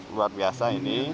luar biasa ini